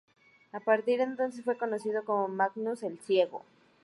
A partir de entonces fue conocido como "Magnus el Ciego".